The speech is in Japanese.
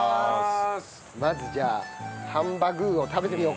まずじゃあハンバ具ーを食べてみようか。